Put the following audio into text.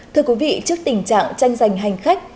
thưa quý vị trước tình trạng tranh giành hành khách